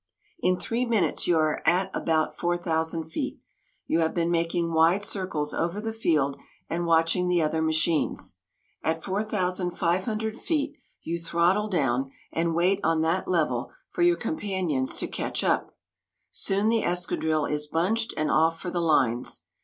In three minutes you are at about 4,000 feet. You have been making wide circles over the field and watching the other machines. At 4,500 feet you throttle down and wait on that level for your companions to catch up. Soon the escadrille is bunched and off for the lines.